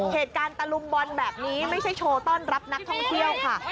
ตะลุมบอลแบบนี้ไม่ใช่โชว์ต้อนรับนักท่องเที่ยวค่ะ